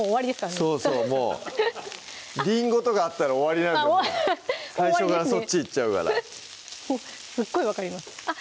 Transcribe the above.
そうそうもうりんごとかあったら終わりなんで最初からそっちいっちゃうからすごい分かりますあっ